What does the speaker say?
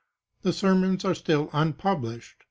The sermons are still unpublished.